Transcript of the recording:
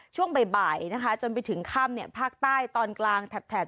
ช่วงบ่ายบ่ายนะคะจนไปถึงข้ำเนี่ยภาคใต้ตอนกลางแถบแถบ